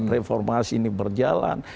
reformasi ini berjalan